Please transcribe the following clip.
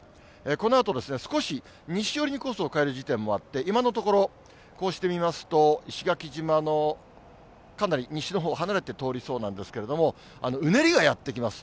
このあと少し西寄りのコースを変える時点もあって、今のところ、こうして見ますと、石垣島のかなり西のほうを離れて通りそうなんですけれども、うねりがやって来ます。